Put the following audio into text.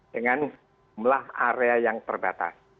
dengan jumlah area yang terbatas